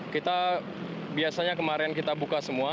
kita biasanya kemarin kita buka semua